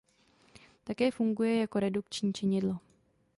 Také funguje jako redukční činidlo.